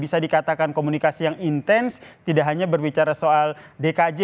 bisa dikatakan komunikasi yang intens tidak hanya berbicara soal dkj